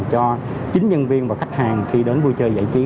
cho chính nhân viên và khách hàng khi đến vui chơi giải trí